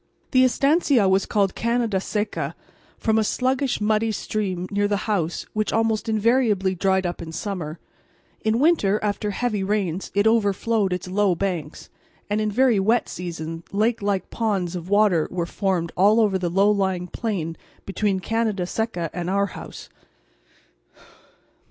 The estancia was called Canada Seca, from a sluggish muddy stream near the house which almost invariably dried up in summer; in winter after heavy rains it overflowed its low banks, and in very wet seasons lake like ponds of water were formed all over the low lying plain between Canada Seca and our house.